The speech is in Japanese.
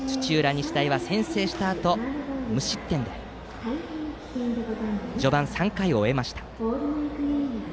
日大は先制したあと無失点で序盤３回を終えました。